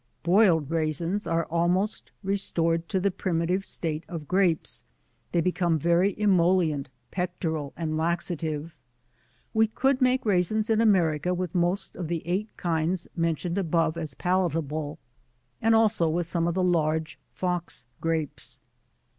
Boded Raisins GRAPE VINES. 29 are almost restored to the primitive state of Grapes ; they become very emolient, pectoral, and laxative. We could make raisins in America with most of the 8 kinds mentioned above as palatable, and also with ",ime of the large Fox Grapes.